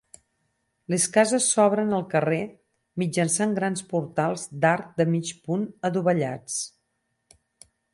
Les cases s'obren al carrer mitjançant grans portals d'arc de mig punt adovellats.